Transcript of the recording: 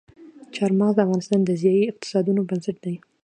چار مغز د افغانستان د ځایي اقتصادونو بنسټ دی.